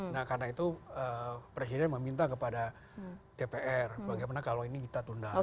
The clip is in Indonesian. nah karena itu presiden meminta kepada dpr bagaimana kalau ini kita tunda